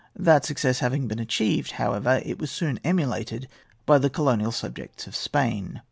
That success having been achieved, however, it was soon emulated by the colonial subjects of Spain.